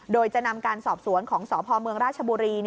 โดยจะนำการสอบสวนของสพเมืองราชบุรี